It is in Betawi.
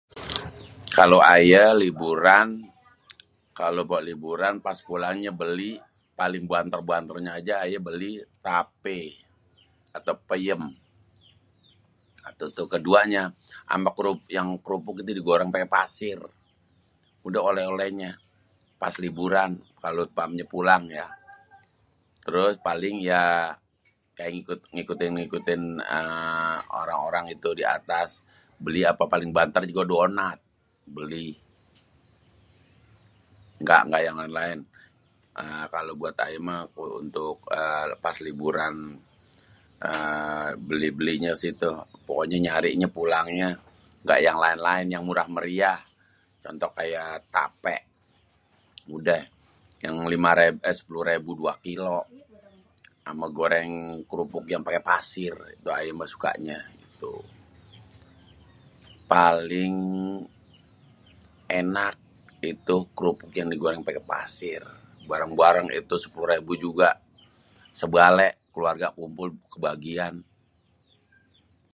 Kalo ayé liburan, kalo buat liburan pas pulangnya beli paling banter-banternya aja ayé beli tapé atau peyém ato tu keduanya ama krupuk yang digoreng pake pasir, udah oleh-olehnya pas liburan kalo pas pulangnya ya, terus paling ya kaya ngikut-ngikutin uhm orang-orang tuh di atas beli apa paling banter juga donat, beli ngga yang laen-laen. Nah kalo buat aye mah untuk lepas liburan uhm beli-belinya sih tu pokoknya nyarinya pulangnya ngga yang lain-lain yang murah meriah contoh kayak tape udeh, yang sepuluh rebu dua kilo ama goreng kerupuk yang pake pasir tu ayé mah sukanya itu, paling enak itu krupuk yang digoreng pake pasir, bareng-bareng itu sepuluh rébu juga, se-balé keluarga kumpul kebagian.